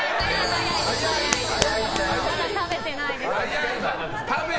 まだ食べてないですから。